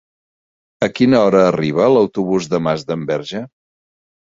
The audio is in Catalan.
A quina hora arriba l'autobús de Masdenverge?